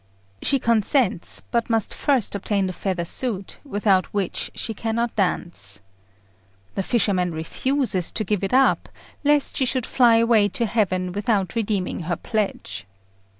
She consents, but must first obtain the feather suit, without which she cannot dance. The fisherman refuses to give it up, lest she should fly away to heaven without redeeming her pledge.